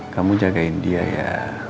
kamu jagain dia ya